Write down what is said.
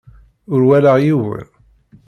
Ur walaɣ yiwen.